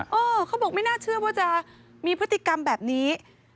เขาบอกไม่น่าเชื่อว่าจะมีพฤติกรรมแบบนี้